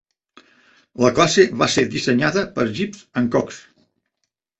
La classe va ser dissenyada per Gibbs and Cox.